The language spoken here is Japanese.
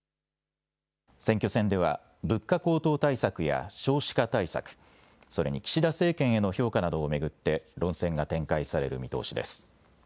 選挙戦では物価高騰対策や少子化対策、それに岸田政権への評価などを巡って論戦が展開される見通しです。